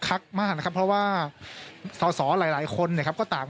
คักมากนะครับเพราะว่าสอสอหลายหลายคนเนี่ยครับก็ต่าง